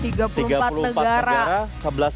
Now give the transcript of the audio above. tiga puluh empat negara sebelas bulan